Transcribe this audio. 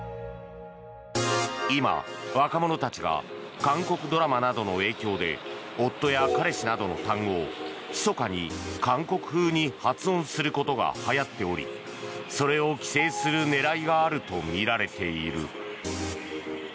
今、若者たちが韓国ドラマなどの影響で夫や彼氏などの単語をひそかに韓国風に発音することがはやっておりそれを規制する狙いがあるとみられている。